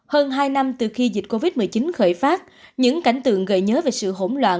hơn hai năm từ khi dịch covid một mươi chín khởi phát những cảnh tượng gợi nhớ về sự hỗn loạn